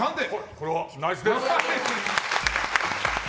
これは、ナイスです。